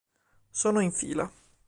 Sono in fila.